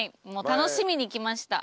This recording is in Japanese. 楽しみに来ました。